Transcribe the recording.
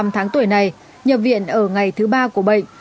trong thời này nhập viện ở ngày thứ ba của bệnh